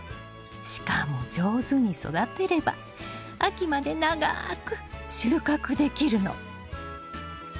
しかも上手に育てれば秋まで長く収穫できるの。